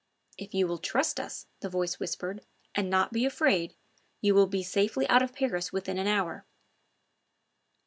"If you will trust us," the voice whispered, "and not be afraid, you will be safely out of Paris within an hour."